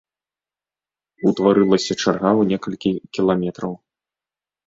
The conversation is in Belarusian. Утварылася чарга ў некалькі кіламетраў.